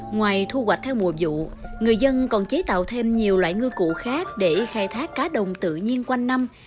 ngoài thu hoạch theo mùa vụ người dân còn chế tạo thêm nhiều loại ngư cụ khác để khai thác cá đồng tự nhiên quanh năm